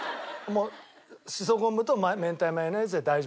しそ昆布と明太マヨネーズで大丈夫。